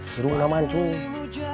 seru naman cuy